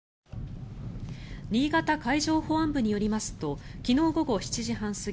新潟海上保安部によりますと昨日午後７時半過ぎ